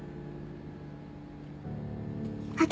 私。